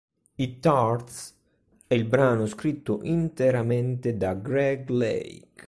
It Hurts è il brano scritto, interamente, da Greg Lake.